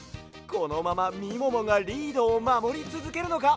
このままみももがリードをまもりつづけるのか？